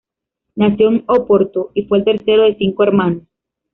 Nació en Oporto y fue el tercero de cinco hermanos.